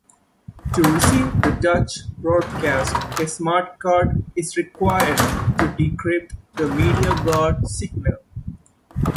To receive the Dutch broadcasts a smartcard is required to decrypt the Mediaguard signal.